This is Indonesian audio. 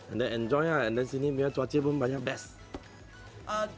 and enjoy ya and then sini cuaca pun banyak best